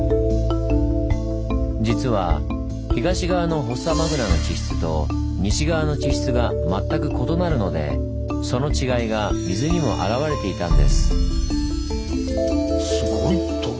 実は東側のフォッサマグナの地質と西側の地質が全く異なるのでその違いが水にもあらわれていたんです。